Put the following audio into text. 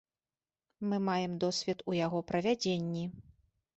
Мы маем досвед у яго правядзенні.